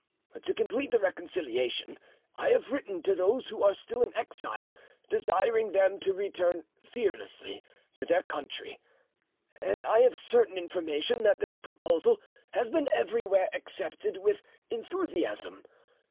To complete the reconciliation, I have written to those who are still in exile, desiring them to return fearlessly to their country, and I have certain information that this proposal has been everywhere accepted with enthusiasm.